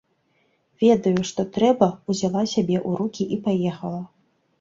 Ведаю, што трэба, узяла сябе ў рукі і паехала.